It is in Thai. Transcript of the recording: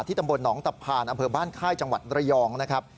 ตำบลหนองตับพานอำเภอบ้านค่ายจังหวัดระยองนะครับ